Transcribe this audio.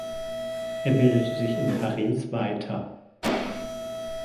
Er bildete sich in Paris weiter.